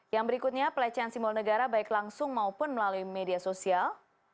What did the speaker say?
yang berikutnya pelecehan simbol negara baik langsung maupun melalui media sosial